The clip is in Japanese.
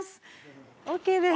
ＯＫです。